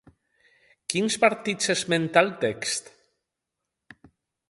Quins partits esmenta el text?